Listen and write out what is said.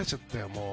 もう。